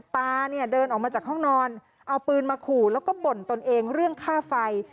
ตาเนี่ยเดินออกมาจากห้องนอนเอาปืนมาขู่แล้วก็บ่นตนเองเรื่องค่าไฟ